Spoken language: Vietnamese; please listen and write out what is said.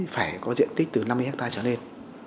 phải có diện tích từ năm mươi hectare trở lên